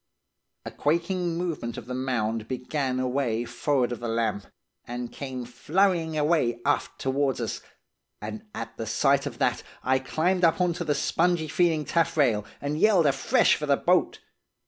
"A quaking movement of the mound began away forrard of the lamp, and came flurrying away aft towards us, and at the sight of that I climbed up on to the spongy feeling taffrail, and yelled afresh for the boat.